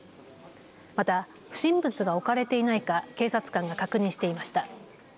また不審物が置かれていないか警察官が確認していました。